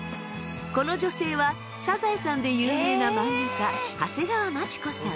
この女性は「サザエさん」で有名な漫画家長谷川町子さん。